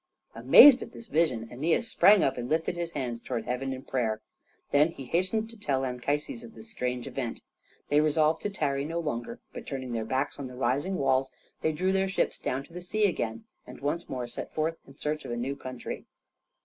Amazed at this vision, Æneas sprang up and lifted his hands to heaven in prayer. Then he hastened to tell Anchises of this strange event. They resolved to tarry no longer, but turning their backs on the rising walls they drew their ships down to the sea again, and once more set forth in search of a new country.